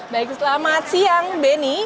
baik selamat siang beni